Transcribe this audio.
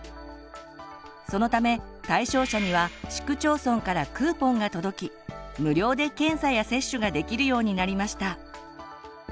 そのため対象者には市区町村からクーポンが届き無料で検査や接種ができるようになりました。